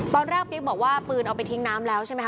ปิ๊กบอกว่าปืนเอาไปทิ้งน้ำแล้วใช่ไหมค